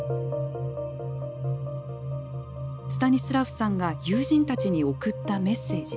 スタニスラフさんが友人たちに送ったメッセージ。